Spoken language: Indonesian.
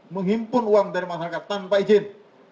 menghimpun uang dari masyarakat tanpa izin